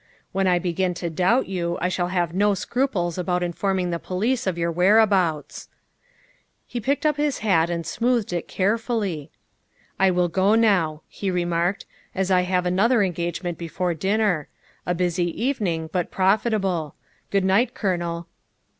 When I begin to doubt you I shall have no scruples about informing the police of your where abouts." He picked up his hat and smoothed it care fully. " I will go now," he remarked, " as I have another engagement before dinner. A busy evening, but profit able. Good night, Colonel."